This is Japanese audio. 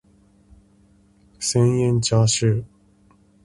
千円チャーシュー